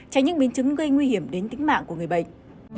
tránh những biến chứng gây nguy hiểm đến tính mạng của người bệnh